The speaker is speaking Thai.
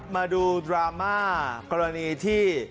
มาดูดราม่ากรณีที่